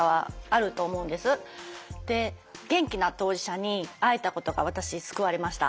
で元気な当事者に会えたことが私救われました。